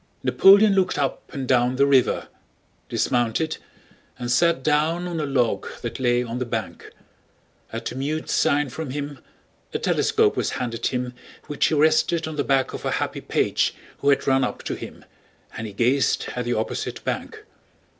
Napoleon looked up and down the river, dismounted, and sat down on a log that lay on the bank. At a mute sign from him, a telescope was handed him which he rested on the back of a happy page who had run up to him, and he gazed at the opposite bank.